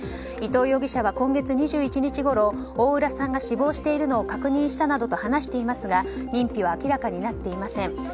伊藤容疑者は今月２１日ごろ大浦さんが死亡しているのを確認したなどと話していますが認否は明らかになっていません。